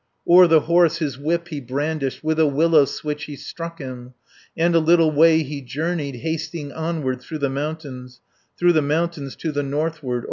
O'er the horse his whip he brandished, With a willow switch he struck him, And a little way he journeyed Hasting onward through the mountains, Through the mountains to the northward.